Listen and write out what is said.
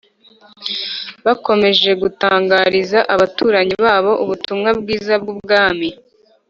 bakomeje gutangariza abaturanyi babo ubutumwa bwiza bw ubwami